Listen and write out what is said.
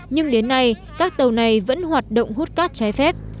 nhưng đến nay các tàu này vẫn hoạt động hút cát trái phép